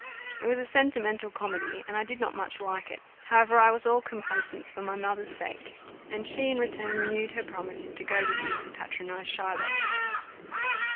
It was a sentimental comedy, and I did not much like it; however, I was all complaisance for my mother's sake, and she in return renewed her promise to go with me to patronize Shylock.